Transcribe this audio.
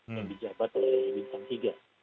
yang dijabat oleh bintang tiga